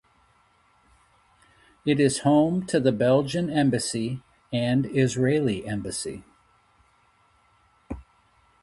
It is home to the Belgian Embassy and Israeli Embassy.